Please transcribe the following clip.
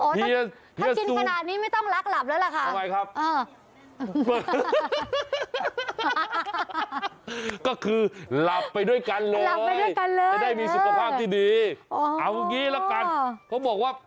พี่ฮียาซูมถ้าจิ้นขนาดนี้ไม่ต้องลักหลับแล้วล่ะค่ะเอาไว้ครับ